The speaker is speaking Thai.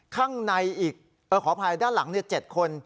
ข้างในอีกขออภัยด้านหลัง๗คน